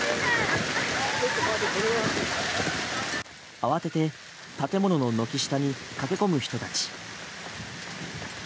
慌てて建物の軒下に駆け込む人たち。